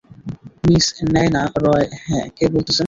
Miss Nayana Roy হ্যাঁঁ কে বলতেছেন?